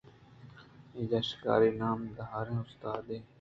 اجہ شکاری نامداریں استادے